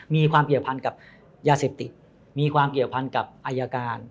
มีความเกี่ยวพันกับยาเสพติดมีความเกี่ยวพันกับอายการ